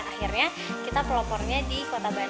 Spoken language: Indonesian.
akhirnya kita pelopornya di kota bandung